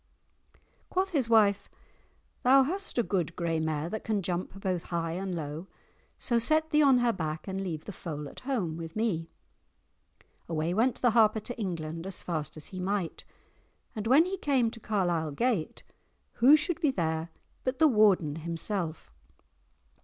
[#] Suffer. Quoth his wife, "Thou hast a good grey mare that can jump both high and low; so set thee on her back and leave the foal at home with me." Away went the Harper to England as fast as he might, and when he came to Carlisle gate, who should be there but the Warden himself?